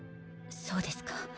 そうですか。